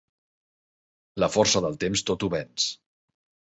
La força del temps tot ho venç.